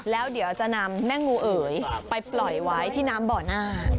แล้วเดี๋ยวจะนำแม่งูเอ๋ยไปปล่อยไว้ที่น้ำบ่อหน้า